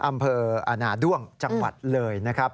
อำเภออาณาด้วงจังหวัดเลยนะครับ